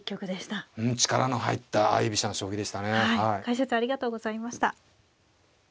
解説ありがとうございました。